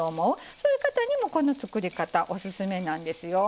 そういう方にもこの作り方オススメなんですよ。